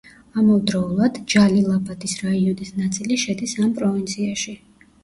ამავდროულად, ჯალილაბადის რაიონის ნაწილი შედის ამ პროვინციაში.